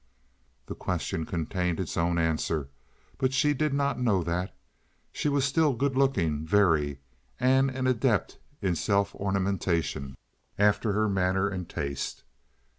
The question contained its own answer, but she did not know that. She was still good looking—very—and an adept in self ornamentation, after her manner and taste.